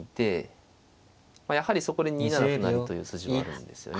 まあやはりそこで２七歩成という筋もあるんですよね。